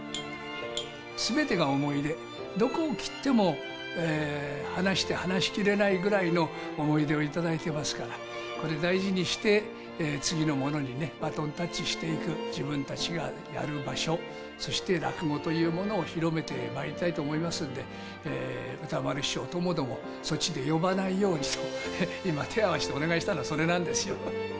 すべてが思いで、どこを切っても、話して話しきれないぐらいの思い出を頂いてますから、これを大事にして、次のものにね、バトンタッチしていく、自分たちがやる場所、そして落語というものを広めてまいりたいと思いますので、歌丸師匠ともども、そっちで呼ばないようにと、今手を合わせてお願いしたのはそれなんですよ。